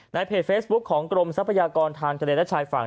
เพจเฟซบุ๊คของกรมทรัพยากรทางทะเลและชายฝั่ง